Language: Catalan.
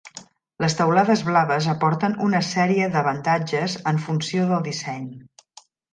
Les teulades blaves aporten una sèrie d'avantatges en funció del disseny.